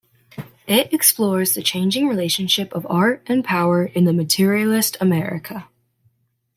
It explores the changing relationship of art and power in a materialist America.